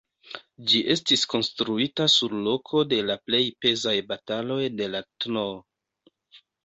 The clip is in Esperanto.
Ĝi estis konstruita sur loko de la plej pezaj bataloj de la tn.